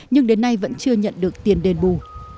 nhưng đến nay vẫn chưa nhận được tiền đền bù